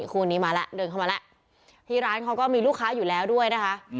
คู่นี้มาแล้วเดินเข้ามาแล้วที่ร้านเขาก็มีลูกค้าอยู่แล้วด้วยนะคะ